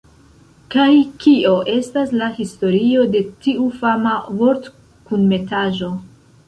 Kaj kio estas la historio de tiu fama vortkunmetaĵo